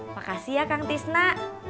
makasih ya kang tisna